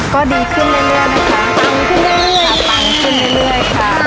ก็ดีขึ้นเรื่อยเรื่อยนะคะตังค์ขึ้นเรื่อยตังค์ขึ้นเรื่อยเรื่อยค่ะ